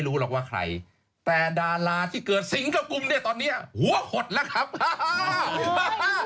ผู้ชายก็อย่าไม่ใช่ผู้หญิงเท้านั้น